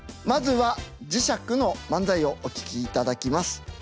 まずは磁石の漫才をお聴きいただきます。